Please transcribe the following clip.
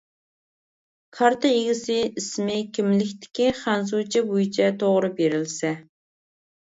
كارتا ئىگىسى ئىسمى كىملىكتىكى خەنزۇچە بويىچە توغرا بېرىلسە.